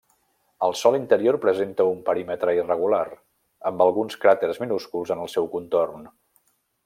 El sòl interior presenta un perímetre irregular, amb alguns cràters minúsculs en el seu contorn.